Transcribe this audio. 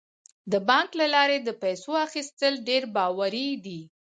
د بانک له لارې د پیسو اخیستل ډیر باوري دي.